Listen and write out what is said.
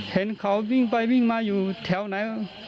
เห็นเขาวิ่งไปวิ่งมาอยู่แถวไหน